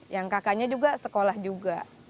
yang kakaknya juga sekolah juga